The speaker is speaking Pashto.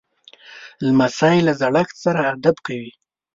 لمسی له زړښت سره ادب کوي.